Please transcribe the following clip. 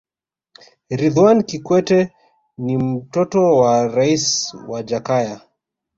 ridhwan kikwete ni mtoto wa raisi wa jakaya